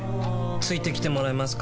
付いてきてもらえますか？